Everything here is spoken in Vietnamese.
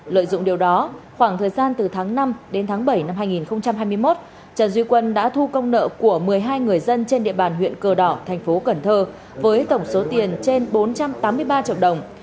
lợi dụng điều đó khoảng thời gian từ tháng năm đến tháng bảy năm hai nghìn hai mươi một trần duy quân đã thu công nợ của một mươi hai người dân trên địa bàn huyện cờ đỏ thành phố cần thơ với tổng số tiền trên bốn trăm tám mươi ba triệu đồng